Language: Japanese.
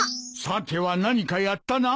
さては何かやったな。